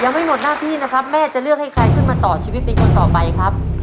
ยังไม่หมดหน้าที่นะครับแม่จะเลือกให้ใครขึ้นมาต่อชีวิตเป็นคนต่อไปครับ